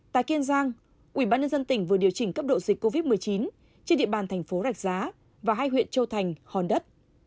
tại kiên giang ủy ban nhân dân tỉnh vừa điều chỉnh cấp độ dịch covid một mươi chín trên địa bàn thành phố rạch giá và hai huyện châu thành hòn đất